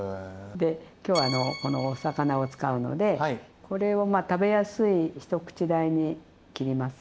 で今日このお魚を使うのでこれを食べやすい一口大に切りますね。